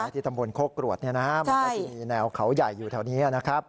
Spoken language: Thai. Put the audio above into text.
ที่ตำบลโคกรวดมันก็จะมีแนวเขาใหญ่อยู่แถวนี้นะครับ